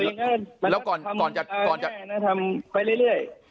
ผมยืนยันมันทำง่ายไปเรื่อย